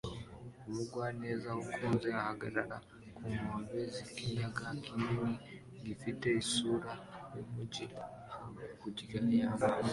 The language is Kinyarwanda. Umugwaneza ukuze ahagarara ku nkombe z'ikiyaga kinini gifite isura y'umujyi hakurya y'amazi